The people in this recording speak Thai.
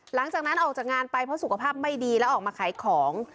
หลังจากนั้นออกจากงานไปเพราะสุขภาพไม่ดีแล้วออกมาขายของ